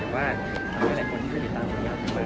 แต่ว่าในคนที่ติดตามเราน้ำนี้